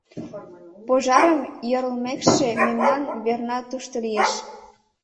Пожарым йӧрлмешке, мемнан верна тушто лиеш.